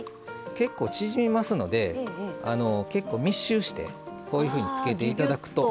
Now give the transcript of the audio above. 結構縮みますので結構密集してこういうふうにつけて頂くと。